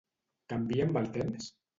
Canvia amb el temps?